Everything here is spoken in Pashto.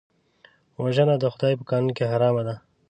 وژنه د خدای په قانون کې حرام ده